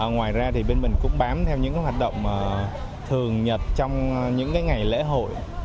ngoài ra thì bên mình cũng bám theo những hoạt động thường nhật trong những ngày lễ hội